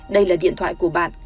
đây là điện thoại của bạn